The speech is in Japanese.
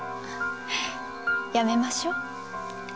やめましょう。